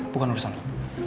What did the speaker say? bukan urusan lo